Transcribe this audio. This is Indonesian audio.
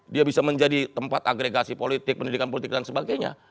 dia bisa menjadi tempat agregasi politik pendidikan politik dan sebagainya